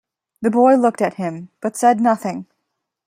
The boy looked at him, but said nothing.